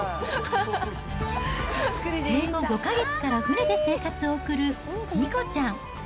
生後５か月から船で生活を送る、にこちゃん。